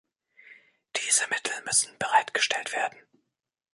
Diese Mittel müssen bereitgestellt werden.